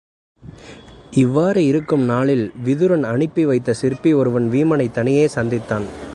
இவ்வாறு இருக்கும் நாளில் விதுரன் அனுப்பி வைத்த சிற்பி ஒருவன் வீமனைத் தனியே சந்தித்தான்.